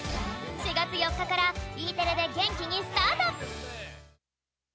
４月４日からＥテレで元気にスタート！